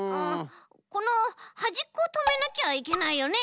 このはじっこをとめなきゃいけないよね。